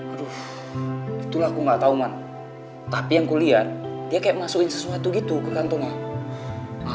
aduh itulah aku nggak tahu man tapi yang kuliah dia kayak masukin sesuatu gitu ke kantongnya